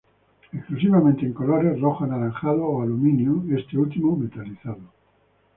Exclusivamente en colores rojo anaranjado o aluminio, este último metalizado.